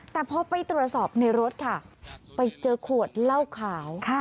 แต่พอไปตรวจสอบในรถค่ะไปเจอขวดเหล้าขาว